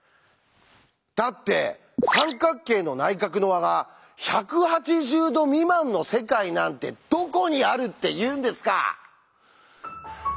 だって三角形の内角の和が１８０°未満の世界なんてどこにあるっていうんですか！